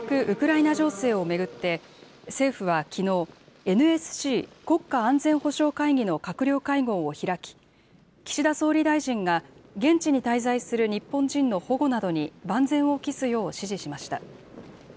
ウクライナ情勢を巡って、政府はきのう、ＮＳＣ・国家安全保障会議の閣僚会合を開き、岸田総理大臣が現地に滞在する日本人の保護などに万全を期すよう指示しました。